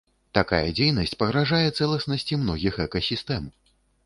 Такая дзейнасць пагражае цэласнасці многіх экасістэм.